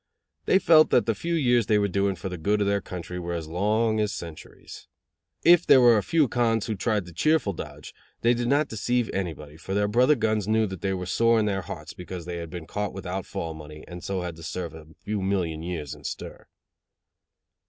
They felt that the few years they were doing for the good of their country were as long as centuries. If there were a few "cons" who tried the cheerful dodge, they did not deceive anybody, for their brother guns knew that they were sore in their hearts because they had been caught without fall money, and so had to serve a few million years in stir.